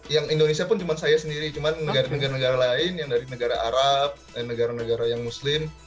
yang indonesia pun cuma saya sendiri cuma negara negara lain yang dari negara arab negara negara yang muslim